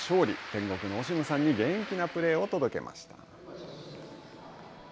天国のオシムさんに元気なプレーを届けました。